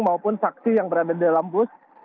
maupun saksi yang berada di dalam bus